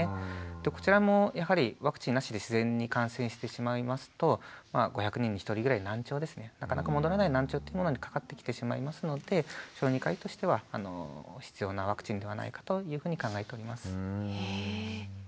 こちらもやはりワクチンなしで自然に感染してしまいますとまあ５００人に１人ぐらい難聴ですねなかなか戻らない難聴というものにかかってきてしまいますので小児科医としては必要なワクチンではないかというふうに考えております。